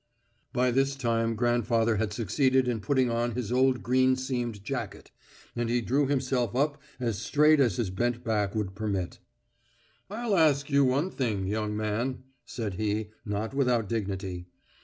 By this time grandfather had succeeded in putting on his old green seamed jacket, and he drew himself up as straight as his bent back would permit. "I'll ask you one thing, young man," said he, not without dignity.